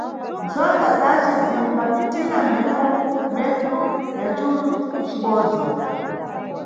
Ntsonga zace zinimbapitira mphimo metru ya culu cibodzi.